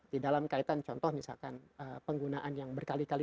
di dalam kaitan contoh misalkan penggunaan yang berkali kali